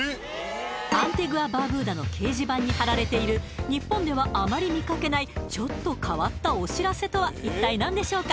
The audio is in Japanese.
アンティグア・バーブーダの掲示板に貼られている日本ではあまり見かけないちょっと変わったお知らせとは一体何でしょうか？